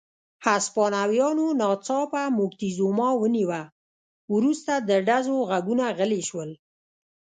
هسپانویانو ناڅاپه موکتیزوما ونیوه، وروسته د ډزو غږونه غلي شول.